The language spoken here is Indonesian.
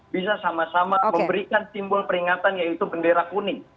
bisa sama sama memberikan simbol peringatan yaitu bendera kuning